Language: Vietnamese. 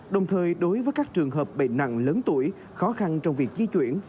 đồng thời đối với các trường hợp bệnh nặng lớn tuổi khó khăn trong việc di chuyển